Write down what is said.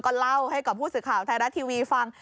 ก็เล่าให้กับผู้สื่อข่าวไทยรัฐทีวีฟัง